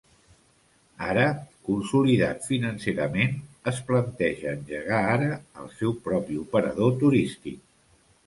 Ara, consolidat financerament, es planteja engegar ara el seu propi operador turístic.